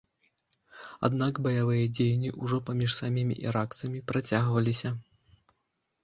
Аднак баявыя дзеянні, ужо паміж самімі іракцамі, працягваліся.